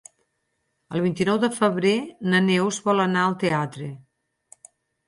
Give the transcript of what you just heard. El vint-i-nou de febrer na Neus vol anar al teatre.